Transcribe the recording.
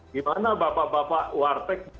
gimana bapak bapak warteg